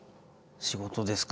仕事ですか？